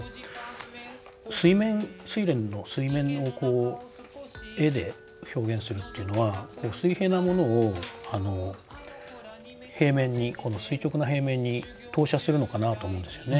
水面「睡蓮」の水面の絵で表現するっていうのは水平なものを平面に垂直な平面に投射するのかなと思うんですよね。